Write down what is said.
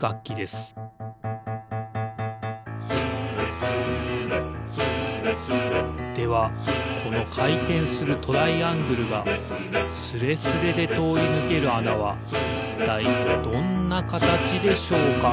「スレスレスーレスレ」ではこのかいてんするトライアングルがスレスレでとおりぬけるあなはいったいどんなかたちでしょうか？